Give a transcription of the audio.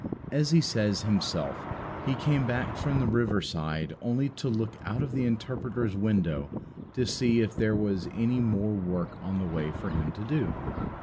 As he says himself, he came back from the river side only to look out of the Interpreter's window to see if there was any more work on the way for him to do.